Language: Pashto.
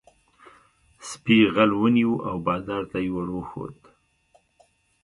سپي غل ونیو او بادار ته یې ور وښود.